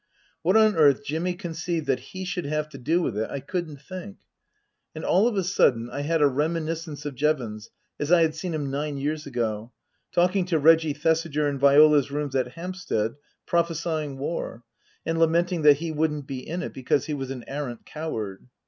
What on earth Jimmy conceived that he should have to do with it I couldn't think. And all of a sudden I had a reminiscence of Jevons as I had seen him nine years ago, talking to Reggie Thesiger in Viola's rooms at Hampstead, prophesying war, and lamenting that he wouldn't be in it because he was an arrant coward.